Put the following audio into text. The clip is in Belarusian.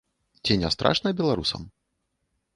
Ці не страшна беларусам?